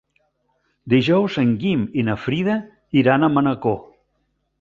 Dijous en Guim i na Frida iran a Manacor.